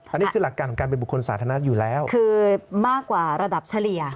อันนี้คือหลักการของการเป็นบุคคลสาธารณะอยู่แล้วคือมากกว่าระดับเฉลี่ย